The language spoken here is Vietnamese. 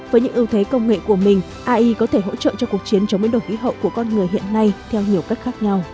với những ưu thế công nghệ của mình ai có thể hỗ trợ cho cuộc chiến chống biến đổi khí hậu của con người hiện nay theo nhiều cách khác nhau